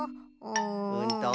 うんと？